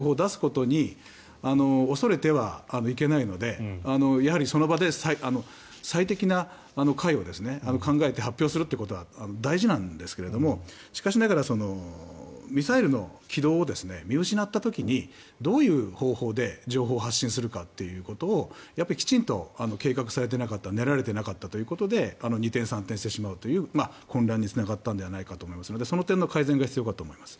間違った情報を出すことに恐れてはいけないのでやはりその場で最適な解を考えて発表するということは大事なんですがしかしながら、ミサイルの軌道を見失った時にどういう方法で情報を発信するかということをきちんと計画されていなかった練られていなかったということで二転三転してしまうという混乱につながったんじゃないかと思いますのでその点の改善が必要かと思います。